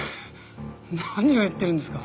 何を言ってるんですか？